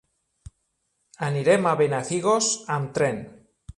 Anirem a Benafigos amb tren.